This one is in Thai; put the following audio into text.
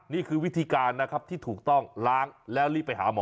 นี่คือวิธีการนะครับที่ถูกต้องล้างแล้วรีบไปหาหมอ